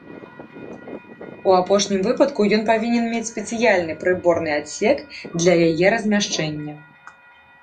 У апошнім выпадку ён павінен мець спецыяльны прыборны адсек для яе размяшчэння.